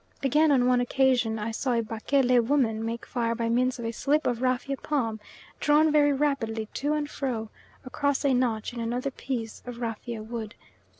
Again, on one occasion I saw a Bakele woman make fire by means of a slip of rafia palm drawn very rapidly, to and fro, across a notch in another piece of rafia wood.